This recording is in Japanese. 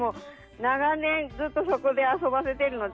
長年ずっとそこで遊ばせているので。